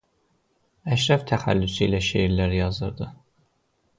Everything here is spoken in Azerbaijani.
Əşrəf təxəllüsü ilə şeirlər yazırdı.